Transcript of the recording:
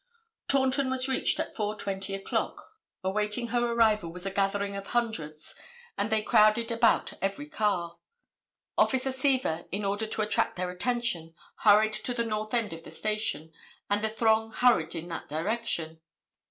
Taunton was reached at 4:20 o'clock. Awaiting her arrival was a gathering of hundreds, and they crowded about every car. Officer Seaver in order to attract their attention, hurried to the north end of the station, and the throng hurried in that direction.